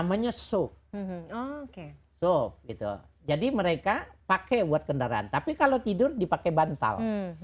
namanya sop sop gitu jadi mereka pakai buat kendaraan tapi kalau tidur dipakai bantal